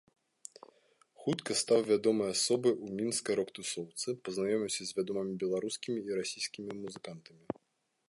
Хутка стаў вядомай асобай у мінскай рок-тусоўцы, пазнаёміўся з вядомымі беларускімі і расійскімі музыкантамі.